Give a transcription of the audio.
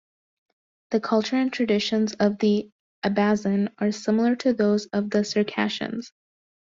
The culture and traditions of the Abazin are similar to those of the Circassians.